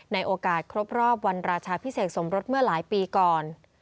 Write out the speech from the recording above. ในโอกาสครบรอบวันราชาพิเศษสมรสเมื่อหลายปีก่อน